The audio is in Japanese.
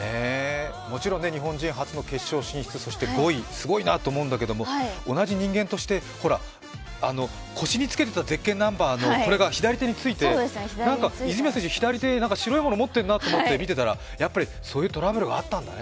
もちろん日本人初の決勝進出、そして５位、すごいなと思うんだけど、同じ人間として、腰につけていたぜっけんナンバーがこれが左手について、泉谷選手、何か白いもの持ってるなと思って見てたらやっぱりそういうトラブルがあったんだね。